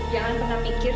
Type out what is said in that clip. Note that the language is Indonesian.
jangan pernah pikir